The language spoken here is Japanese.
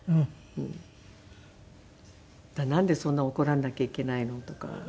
「なんでそんな怒られなきゃいけないの？」とか。